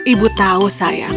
ibu tahu sayang